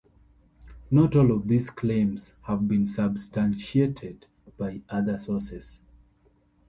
Not all of these claims have been substantiated by other sources.